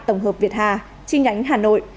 tổng hợp việt hà chi nhánh hà nội